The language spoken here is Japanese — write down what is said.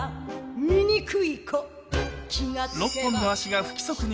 醜い子！